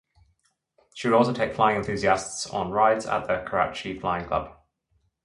She would also take flying enthusiasts on rides at the Karachi flying club.